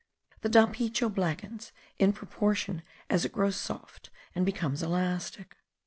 The dapicho blackens in proportion as it grows soft, and becomes elastic.